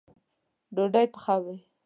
ډوډۍ پخوئ